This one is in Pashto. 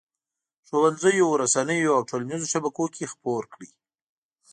ښوونځیو، رسنیو او ټولنیزو شبکو کې خپور کړي.